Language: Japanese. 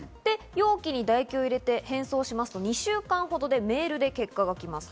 容器に唾液を入れて返送しますと、２週間ほどでメールで結果が来ます。